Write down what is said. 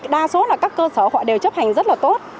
đa số là các cơ sở họ đều chấp hành rất là tốt